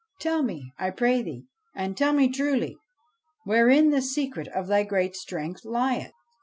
Tell me, I pray thee, and tell me truly, wherein the secret of thy great strength lieth.'